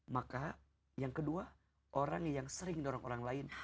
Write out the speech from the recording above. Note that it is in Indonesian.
maka yang kedua orang yang sering mendorong orang lain